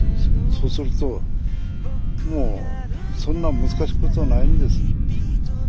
そうするともうそんな難しいことはないんですよ。